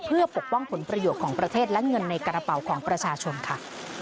เพื่อปกป้องผลประโยชน์ของประเทศและเงินในกระเป๋าของประชาชนค่ะ